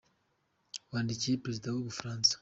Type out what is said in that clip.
wandikiye Perezida w’u Bufaransa.